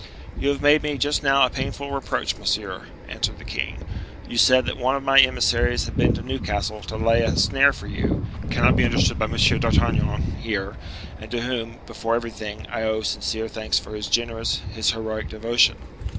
"You have made me just now a painful reproach, monsieur," continued the king; "you said that one of my emissaries had been to Newcastle to lay a snare for you, and that, parenthetically, cannot be understood by M. d'Artagnan here, and to whom, before everything, I owe sincere thanks for his generous, his heroic devotion."